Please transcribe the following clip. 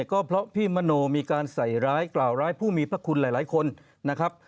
ก็เพราะพี่มโนมีการใส่ร้ายกล่าวร้ายผู้มีพระคุณหลายคนนะครับ